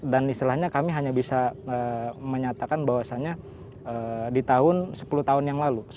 dan istilahnya kami hanya bisa menyatakan bahwasannya di tahun sepuluh tahun yang lalu